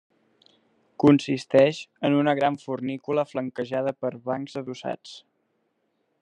Consisteix en una gran fornícula flanquejada per bancs adossats.